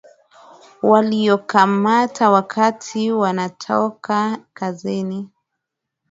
waliokamata wakati wanatoka kazini